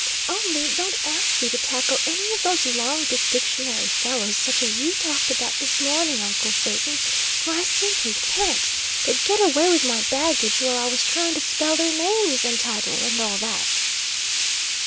"Only don't ask me to tackle any of those big dictionary fellows such as you talked about this morning, uncle Phaeton, for I simply can't; they'd get away with my baggage while I was trying to spell their names and title and all that!"